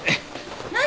何？